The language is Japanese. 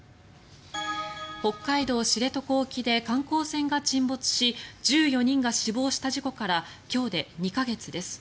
北海道・知床沖で観光船が沈没し１４人が死亡した事故から今日で２か月です。